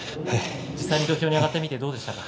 実際に土俵に上がってどうでしたか。